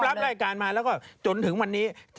รับรายการมาแล้วก็จนถึงวันนี้